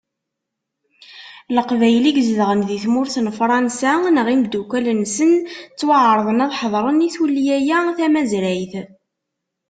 Leqbayel i izedɣen di tmurt n Fransa, neɣ imeddukkal-nsen, ttwaɛerḍen ad ḥeḍren i tullya-a tamazrayt.